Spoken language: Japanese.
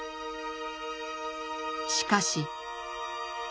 しかし。